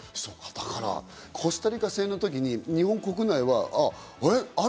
コスタリカ戦の時に日本国内はあれ？